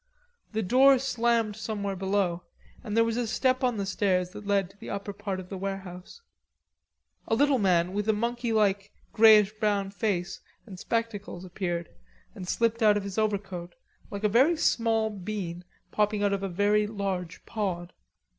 The door slammed somewhere below and there was a step on the stairs that led to the upper part of the warehouse. A little man with a monkey like greyish brown face and spectacles appeared and slipped out of his overcoat, like a very small bean popping out of a very large pod.